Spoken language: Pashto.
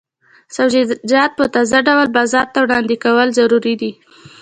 سبزیجات په تازه ډول بازار ته وړاندې کول ضروري دي.